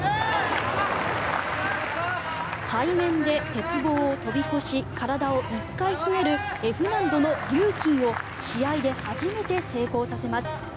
背面で鉄棒を飛び越し体を１回ひねるＦ難度のリューキンを試合で初めて成功させます。